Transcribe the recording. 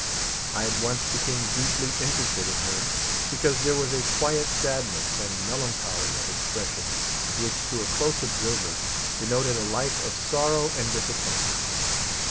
I at once became deeply interested in her, because there Was a quiet sadness and melancholy of expression which, to a close observer, denoted a life of sorrow and disap pointment.